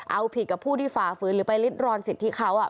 เอาผิดกับผู้ที่ฝ่าฝืนหรือไปริดรอนสิทธิเขา